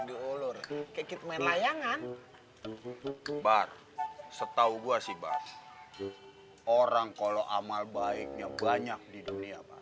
diulur kekit main layangan bar setau gua sih bar orang kalau amal baiknya banyak di dunia